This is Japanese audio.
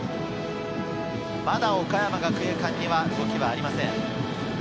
まだ岡山学芸館には動きはありません。